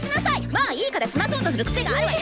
「まあいいか」で済まそうとする癖があるわよ！